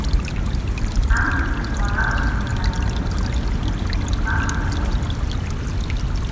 Ahn és a vegades anomenat "el Senyor de l'Anell" pels fans coreans.